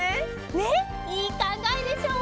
ねっいいかんがえでしょ。